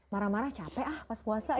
marah marah capek ah pas puasa